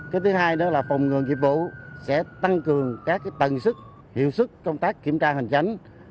cái thứ hai đó là phòng ngừa dịch vụ sẽ tăng cường các tầng sức hiệu sức công tác kiểm tra hành chánh